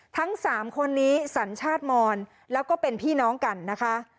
ทั้ง๓คนนี้สัญชาติมอนแล้วก็เป็นพี่น้องกันนะคะ